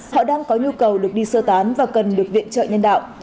họ đang có nhu cầu được đi sơ tán và cần được viện trợ nhân đạo